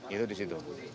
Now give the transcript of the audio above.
itu di situ